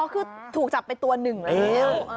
คือถูกจับไปตัวหนึ่งแล้ว